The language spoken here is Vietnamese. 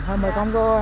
thôi mời con vô xem coi